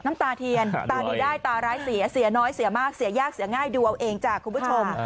น้ำตาเทียนตาดีได้ตาร้ายเสียเสียน้อยเสียมากเสียยากเสียง่ายดูเอาเองจ้ะคุณผู้ชม